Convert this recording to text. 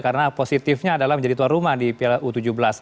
karena positifnya adalah menjadi tuan rumah di piala u tujuh belas